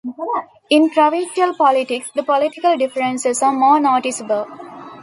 In provincial politics, the political differences are more noticeable.